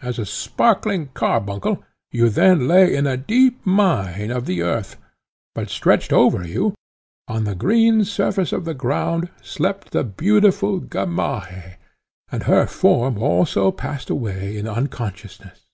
As a sparkling carbuncle, you then lay in a deep mine of the earth; but stretched over you, on the green surface of the ground, slept the beautiful Gamaheh; and her form also passed away in unconsciousness.